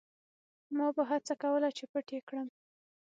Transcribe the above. ما به هڅه کوله چې پټ یې کړم.